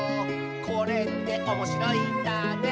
「これっておもしろいんだね」